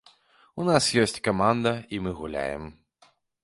У нас ёсць каманда, і мы гуляем.